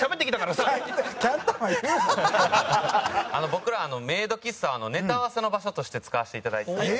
僕らメイド喫茶はネタ合わせの場所として使わせていただいてて。